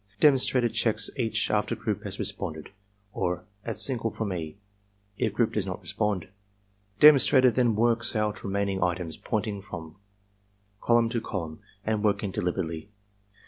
Demonstrator checks each after group has responded, or at signal from E. if group does not respond. Demonstrator then works out remaining items, pointing from column to column and working deliberately.